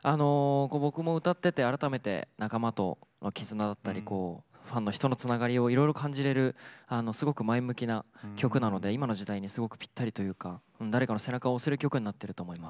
僕も歌ってて改めて仲間との絆だったりファンの人のつながりをいろいろ感じれるすごく前向きな曲なので今の時代にすごくぴったりというか誰かの背中を押せる曲になってると思います。